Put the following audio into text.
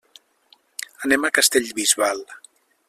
Anem a Castellbisbal.